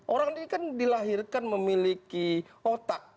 orang ini kan dilahirkan memiliki otak